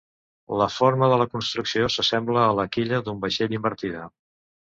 La forma de la construcció s'assembla a la quilla d'un vaixell invertida.